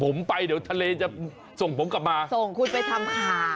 ผมไปเดี๋ยวทะเลจะส่งผมกลับมาส่งคุณไปทำข่าว